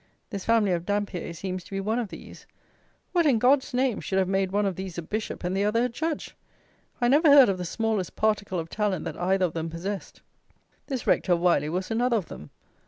This family of Dampier seems to be one of these. What, in God's name, should have made one of these a Bishop and the other a Judge! I never heard of the smallest particle of talent that either of them possessed. This Rector of Wyly was another of them.